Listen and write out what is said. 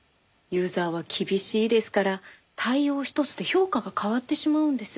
ユーザーは厳しいですから対応ひとつで評価が変わってしまうんです。